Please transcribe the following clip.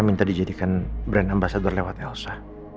minta dijadikan brand ambasador lewat elsa